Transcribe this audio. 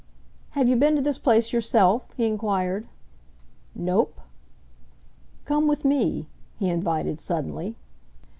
"Have you been to this place yourself?" he enquired. "Nope!" "Come with me," he invited suddenly.